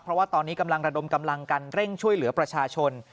เพราะว่าตอนนี้กำลังระดมกำลังกันเร่งช่วยเหลือประชาชน